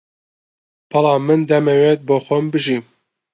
بەڵام من دەمەوێت بۆ خۆم بژیم